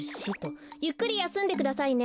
ゆっくりやすんでくださいね。